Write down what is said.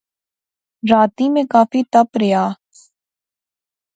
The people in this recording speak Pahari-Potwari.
راتی میں کافی تپ رہیا